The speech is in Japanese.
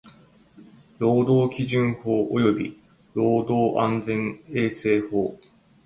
労働基準法及び労働安全衛生法